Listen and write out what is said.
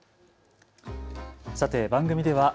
さて番組では＃